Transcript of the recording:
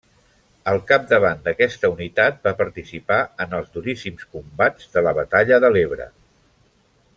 Al capdavant d'aquesta unitat va participar en els duríssims combats de la batalla de l'Ebre.